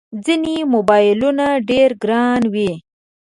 ځینې موبایلونه ډېر ګران وي.